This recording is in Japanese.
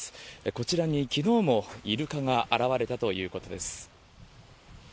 こちらに昨日もイルカが現れたということです。